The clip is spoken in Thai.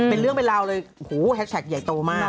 เป็นเรื่องเป็นราวเลยโอ้โหแฮชแท็กใหญ่โตมาก